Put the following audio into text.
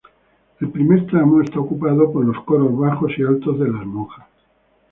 El primer tramo está ocupado por los coros bajo y alto de las monjas.